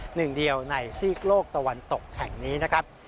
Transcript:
หนึ่งเดียวในซีกโลกตะวันตกแห่งนี้นะครับ